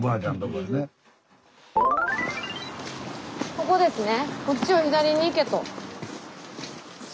ここですね。